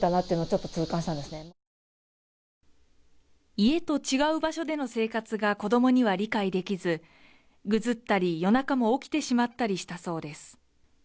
家と違う場所での生活が子供には理解できず、ぐずったり、夜中も起きてしまったりしたそうです。